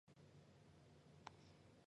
其兄刘雨凯也是演员与模特儿。